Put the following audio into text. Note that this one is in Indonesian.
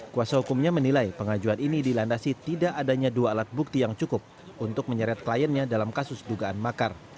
kuasa hukumnya menilai pengajuan ini dilandasi tidak adanya dua alat bukti yang cukup untuk menyeret kliennya dalam kasus dugaan makar